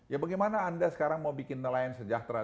ya bagaimana anda sekarang mau bikin nelayan sejahtera